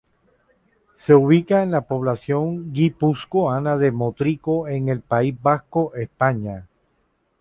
Se ubica en la población guipuzcoana de Motrico en el País Vasco, España.